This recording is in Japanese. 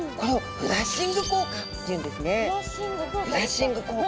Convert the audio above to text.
フラッシング効果ですか。